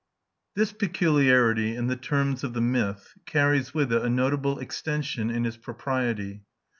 This peculiarity in the terms of the myth carries with it a notable extension in its propriety.